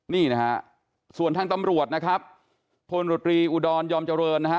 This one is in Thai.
นี่นะฮะส่วนทางตำรวจนะครับพลตรีอุดรยอมเจริญนะฮะ